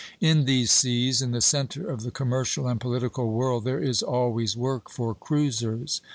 In these seas, in the centre of the commercial and political world, there is always work for cruisers.